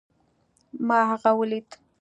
ما هغه وليد